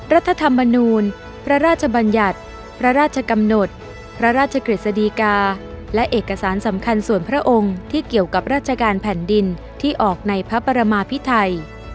รัฐธรรมนูลพระราชบัญญัติพระราชกำหนดพระราชกฤษฎีกาและเอกสารสำคัญส่วนพระองค์ที่เกี่ยวกับราชการแผ่นดินที่ออกในพระปรมาพิไทย